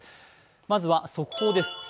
まずは、速報です。